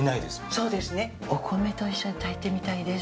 そうですねお米と一緒に炊いてみたいです